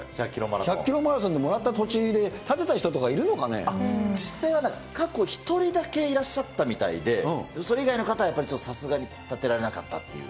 １００キロマラソンでもらった土地で、実際は過去１人だけいらっしゃったみたいで、それ以外の方はやっぱさすがに建てられなかったっていう。